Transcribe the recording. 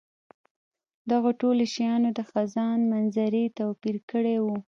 دغو ټولو شیانو د خزان منظرې توپیر کړی وو.